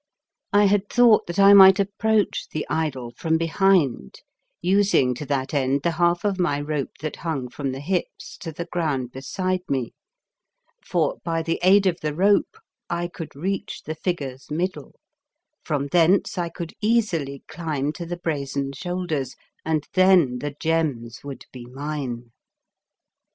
I had thought that I might approach the idol from behind, using to that end the half of my rope that hung from the hips to the ground beside me, for, by aid of the rope, I could reach the figure's middle, from thence I could easily climb to the brazen shoulders, and then the gems would be mine.